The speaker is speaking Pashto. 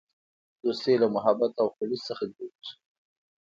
دوستي له محبت او خلوص نه جوړیږي.